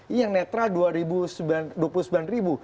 ini yang netral dua puluh sembilan ribu